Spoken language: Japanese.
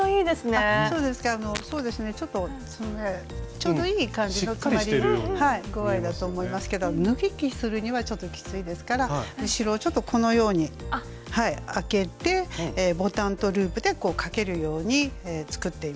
ちょうどいい感じの詰まり具合だと思いますけど脱ぎ着するにはちょっときついですから後ろをちょっとこのように開けてボタンとループでかけるように作っています。